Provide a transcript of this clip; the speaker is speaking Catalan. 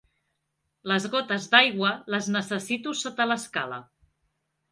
Les gotes d'aigua, les necessito sota l'escala.